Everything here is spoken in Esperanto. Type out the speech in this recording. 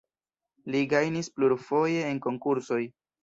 Li gajnis plurfoje en konkursoj.